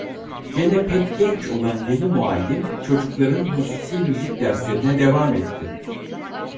Gene pek genç olan yeni muallim çocukların hususi müzik derslerine devam etti.